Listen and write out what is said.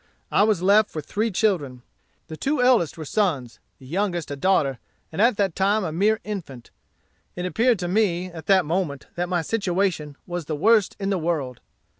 I was left with three children. The two eldest were sons, the youngest a daughter, and at that time a mere infant. It appeared to me, at that moment, that my situation was the worst in the world.